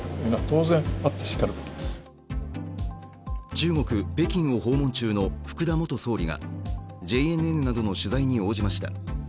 中国・北京を訪問中の福田元総理がＪＮＮなどの取材に応じました。